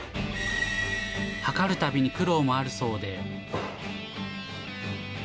測るたびに苦労もあるそうで。